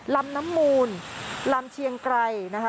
ลำน้ำมูลลำเชียงไกรนะคะ